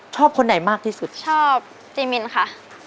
คนไหนมากที่สุดชอบจีมินค่ะ